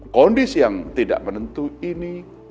kondisi yang tidak menentu ini